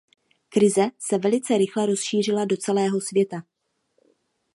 Krize se velice rychle rozšířila do celého světa.